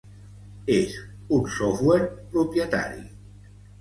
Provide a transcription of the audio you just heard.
És un software propietari.